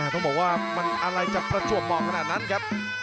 ต้องบอกว่ามันอะไรจะประจวบเหมาะขนาดนั้นครับ